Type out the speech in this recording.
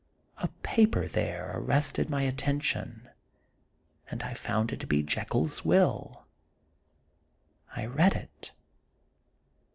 A paper there arrested my attention, and I found it to be Jekyll's will. I read it.